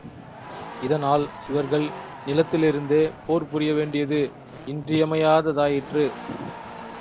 இதனால், இவர்கள் நிலத்திலிருந்தே போர் புரிய வேண்டியது இன்றியமையாததாயிற்று.